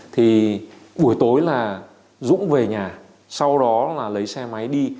thì buổi tối là dũng về nhà sau đó là lấy xe máy đi